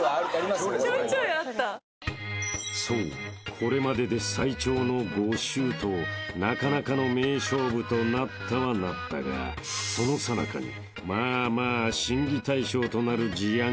これまでで最長の５周となかなかの名勝負となったはなったがそのさなかにまあまあ審議対象となる事案が幾つか］